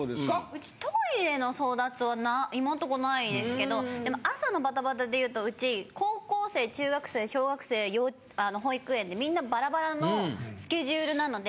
うちトイレの争奪は今んとこないですけど朝のバタバタでいうとうち高校生中学生小学生保育園でみんなバラバラのスケジュールなので。